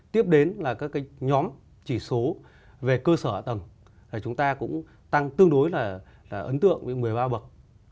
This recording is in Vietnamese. tiếp đến là các cái nhóm chỉ số về cơ sở ở tầng là chúng ta cũng tăng tương đối là ấn tượng với một mươi ba bậc